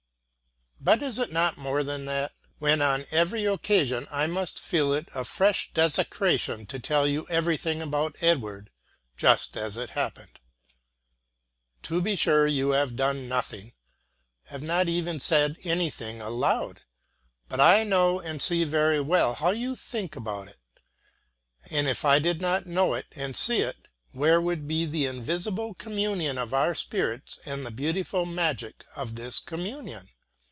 But is it not more than that, when on every occasion I must feel it a fresh desecration to tell you everything about Edward, just as it happened? To be sure you have done nothing, have not even said anything aloud; but I know and see very well how you think about it. And if I did not know it and see it, where would be the invisible communion of our spirits and the beautiful magic of this communion?